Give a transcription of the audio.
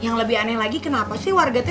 yang lebih aneh lagi kenapa sih warganya